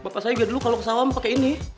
bapak saya juga dulu kalau ke sawam pakai ini